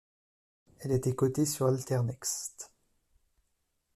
Elle était cotée sur Alternext.